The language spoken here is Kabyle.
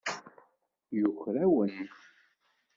Yuker-awen.